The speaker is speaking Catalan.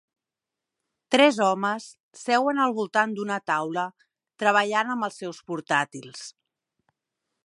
Tres homes seuen al voltant d'una taula treballant amb els seus portàtils.